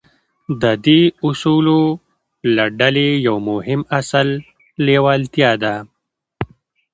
د دې اصولو له ډلې يو مهم اصل لېوالتیا ده.